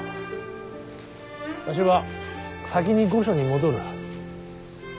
わしは先に御所に戻る。